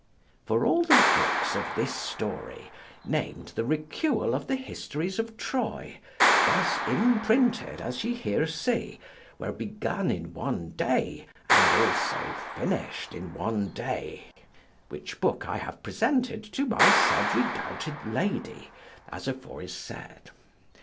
For all the books of this story, named "The Recule of the Histories of Troy" thus imprinted as ye here see, were begun in one day and also finished in one day, which book I have presented to my said redoubted Lady, as afore is said.